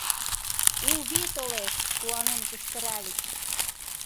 У вий толеш!— куанен кычкыральыч.